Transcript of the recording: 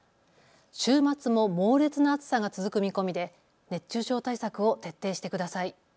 週末も猛烈な暑さが続く見込みで熱中症対策を徹底してください。